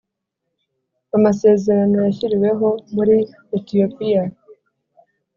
Amasezerano yashyiriweho muri Etiyopiya